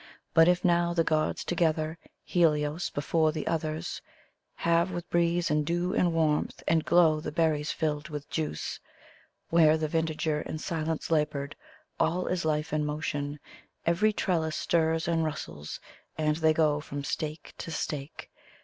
But if now the Gods together, Helios before the others, Have with breeze and dew and warmth and glow the berries filled with juice. Where the vintager in silence labored, all is life and motion^ ACT IV. 187 Every trellis stirs and rustles, and they go from stake to stake.